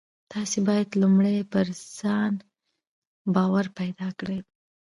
تاسې بايد لومړی پر ځان باور پيدا کړئ.